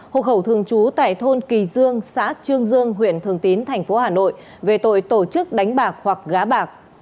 hội khẩu thường trú tại thôn kỳ dương xã trương dương huyện thường tín tp hà nội về tội tổ chức đánh bạc hoặc gá bạc